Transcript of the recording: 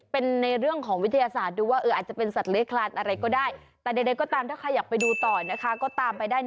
เป็นไปได้หรือเปล่าเพราะมันระยะไกลมันเห็นไม่ชัด